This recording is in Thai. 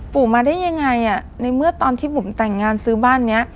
มาได้ยังไงอ่ะในเมื่อตอนที่บุ๋มแต่งงานซื้อบ้านเนี้ย